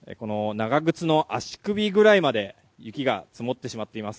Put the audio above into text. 長靴の足首ぐらいまで雪が積もってしまっています。